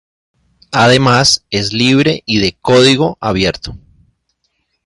Además es libre y de código abierto.